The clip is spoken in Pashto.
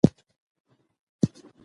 د ادبي جعلسازۍ لغوي مانا د ادب ټګي ده.